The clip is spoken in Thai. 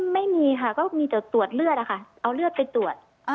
ไม่มีค่ะก็มีแต่ตรวจเลือดนะคะเอาเลือดไปตรวจ